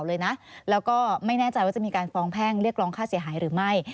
ถึงการฟองแพงเรียกรองค่าเสียหายหรือไม่